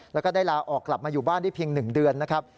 แล้วก็ได้ลาออกกลับมาอยู่บ้านได้เพียง๑เดือนนะครับ